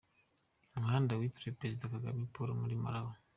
Umuhanda witiriwe Perezida Kagame Paul muri Malawi.